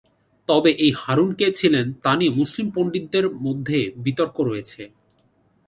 তবে, এই "হারুন" কে ছিলেন, তা নিয়ে মুসলিম পণ্ডিতদের মধ্যে বিতর্ক রয়েছে।